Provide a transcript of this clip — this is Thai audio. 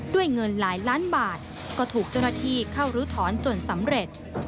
เงินหลายล้านบาทก็ถูกเจ้าหน้าที่เข้ารื้อถอนจนสำเร็จ